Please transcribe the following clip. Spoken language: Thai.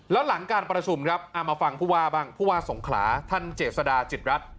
แล้วหลังการประชุมครับเอามาฟังผู้ว่าบ้างผู้ว่าสงขลาท่านเจษฎาจิตรัฐ